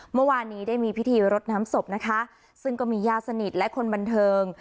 เมื่อวานนี้ได้มีพิธีรดน้ำศพนะคะซึ่งก็มีญาติสนิทและคนบันเทิง